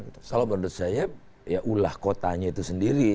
kalau menurut saya ya ulah kotanya itu sendiri